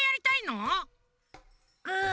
うん。